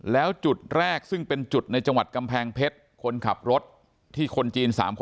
แล้วจุดแรกซึ่งเป็นจุดในจังหวัดกำแพงเพชรคนขับรถที่คนจีน๓คน